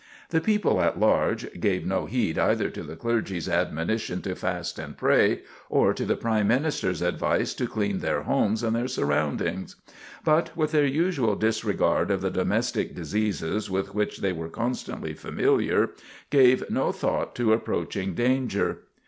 The people at large gave no heed either to the clergy's admonition to fast and pray, or to the Prime Minister's advice to clean their homes and their surroundings; but, with their usual disregard of the domestic diseases with which they were constantly familiar, gave no thought to approaching danger.